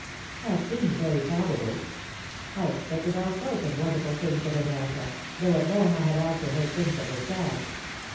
That seemed very probable. I expected all sorts of wonderful things of America, though at home I had also heard things that were sad.